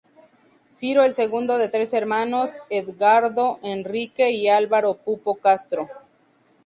Ciro el segundo de tres hermanos: Edgardo Enrique y Álvaro Pupo Castro.